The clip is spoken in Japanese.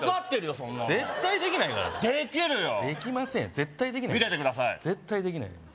そんなの絶対できないからできるよできません絶対できない見ててくださいできる！